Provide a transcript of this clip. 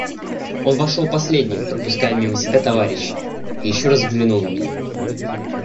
Он вошел последним, пропуская мимо себя товарищей, и еще раз взглянул на меня.